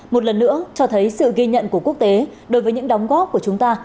một lần nữa cho thấy sự ghi nhận của quốc tế đối với những đóng góp của chúng ta